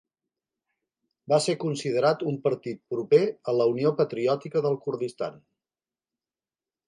Va ser considerat un partit proper a la Unió Patriòtica del Kurdistan.